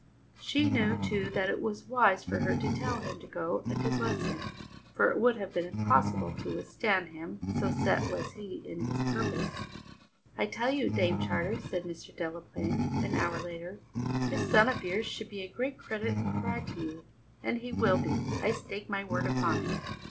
She knew, too, that it was wise for her to tell him to go and to bless him, for it would have been impossible to withstand him, so set was he in his purpose. "I tell you, Dame Charter," said Mr. Delaplaine an hour later, "this son of yours should be a great credit and pride to you, and he will be, I stake my word upon it."